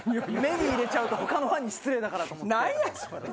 目に入れちゃうと他のファンに失礼だからと思って。